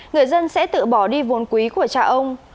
người dân sẽ tự bỏ đi vốn quý của cha ông